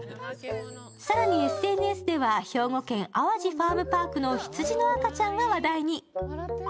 更にＳＮＳでは、兵庫県淡路ファームパークの羊の赤ちゃんが話題に。